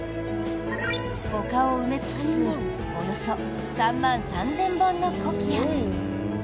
丘を埋め尽くすおよそ３万３０００本のコキア。